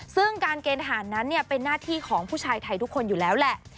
ซึ่งการเกณฑ์ทหารนั้นเป็นหน้าที่ของผู้ชายไทยทุกคนอยู่แล้วแหละ